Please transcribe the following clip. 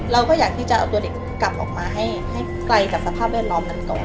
เราก็อยากที่จะเอาตัวเด็กกลับออกมาให้ไกลกับสภาพแวดล้อมกันก่อน